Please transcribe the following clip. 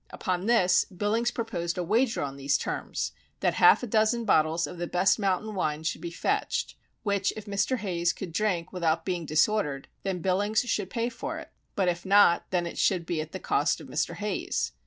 Upon this Billings proposed a wager on these terms, that half a dozen bottles of the best mountain wine should be fetched, which if Mr. Hayes could drink without being disordered, then Billings should pay for it; but if not, then it should be at the cost of Mr. Hayes.